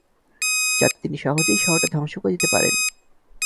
যাতে তিনি সহজেই শহরটা ধ্বংস করে দিতে পারেন।